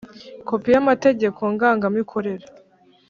Kopi y amategeko ngangamikorere